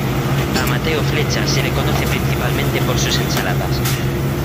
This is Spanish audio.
A Mateo Flecha se le conoce principalmente por sus ensaladas.